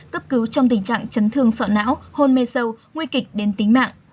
cấp cứu trong tình trạng chấn thương sọ não hôn hôn mê sâu nguy kịch đến tính mạng